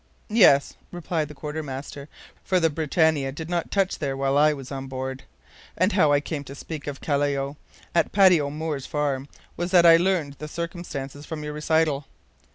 "Yes," replied the quartermaster, "for the BRITANNIA did not touch there while I was on board. And how I came to speak of Callao at Paddy O'Moore's farm was that I learned the circumstances from your recital."